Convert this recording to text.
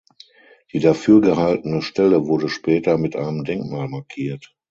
Die dafür gehaltene Stelle wurde später mit einem Denkmal markiert.